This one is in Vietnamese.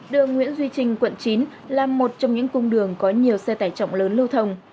đường nguyễn duy trinh quận chín là một trong những cung đường có nhiều xe tải trọng lớn lưu thông